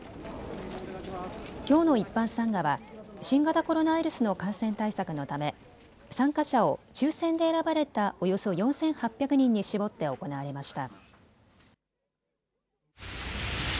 きょうの一般参賀は新型コロナウイルスの感染対策のため参加者を抽せんで選ばれたおよそ４８００人に絞って行われました。